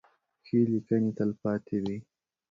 ښې لیکنې تلپاتې وي.